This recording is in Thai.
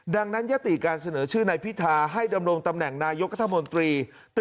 ดังนั้นยติการเสนอชื่อนายพิธาให้ดำรงตำแหน่งนายกัธมนตรี